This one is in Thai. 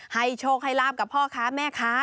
โชคให้ลาบกับพ่อค้าแม่ค้า